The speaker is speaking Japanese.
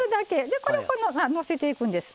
でこれをのせていくんです。